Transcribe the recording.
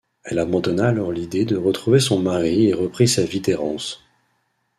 Elle abandonna alors l’idée de retrouver son mari et reprit sa vie d’errance.